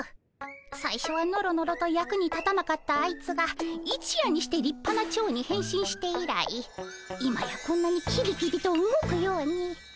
さいしょはノロノロと役に立たなかったあいつが一夜にしてりっぱなチョウに変身して以来今やこんなにキビキビと動くように。